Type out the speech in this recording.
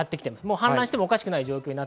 氾濫してもおかしくない状況です。